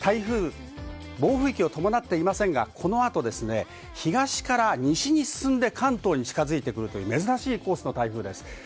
暴風域を伴っていませんが、この後、東から西に進んで、関東に近づいてくるという珍しいコースの台風です。